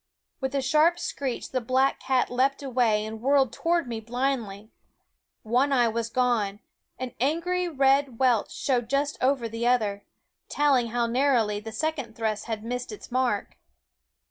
With a sharp screech the black cat leaped away and whirled towards me blindly. One eye was gone ; an angry red welt showed just over the other, telling how narrowly the second thrust had 1 javeli THE WOODS 3 missed its mark.